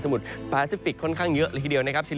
สมุทรพาซิฟิกส์ค่อนข้างเยอะละทีเดียวนะครับ